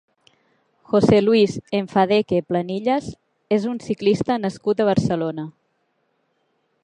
José Luis Enfedaque Planillas és un ciclista nascut a Barcelona.